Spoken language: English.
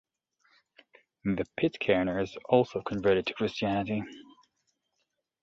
The Pitcairners also converted to Christianity.